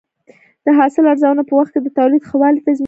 د حاصل ارزونه په وخت کې د تولید ښه والی تضمینوي.